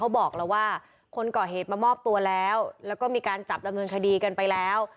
บอกแล้วว่าคนก่อเหตุมามอบตัวแล้วแล้วก็มีการจับดำเนินคดีกันไปแล้ว